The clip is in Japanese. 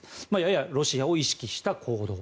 ややロシアを意識した行動。